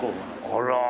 あら。